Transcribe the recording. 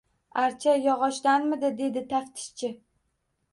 — Archa yog‘ochdanmidi? — dedi taftishchi.